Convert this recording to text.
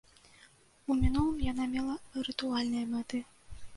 У мінулым яно мела рытуальныя мэты.